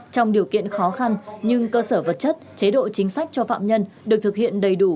trong điều kiện khó khăn nhưng cơ sở vật chất chế độ chính sách cho phạm nhân được thực hiện đầy đủ